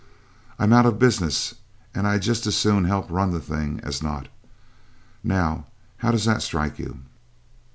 I'm out of business, and I'd just as soon help run the thing as not. Now how does that strike you?"